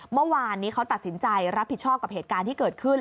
เมื่อวานนี้เขาตัดสินใจรับผิดชอบกับเหตุการณ์ที่เกิดขึ้น